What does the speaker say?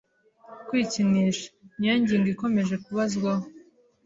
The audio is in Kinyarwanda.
‘kwikinisha’ niyo ngingo ikomeje kubazwaho